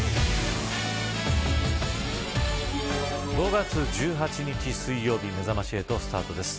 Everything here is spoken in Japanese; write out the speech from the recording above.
５月１８日水曜日めざまし８スタートです。